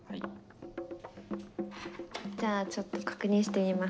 じゃあちょっと確認してみます。